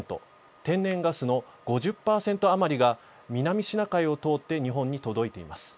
天然ガスの５０％余りは南シナ海を通って日本に届いています。